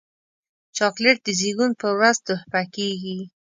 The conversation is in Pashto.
چاکلېټ د زیږون پر ورځ تحفه کېږي.